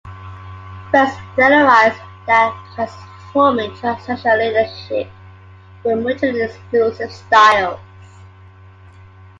Burns theorized that transforming and transactional leadership were mutually exclusive styles.